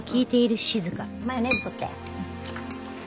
マヨネーズ取って。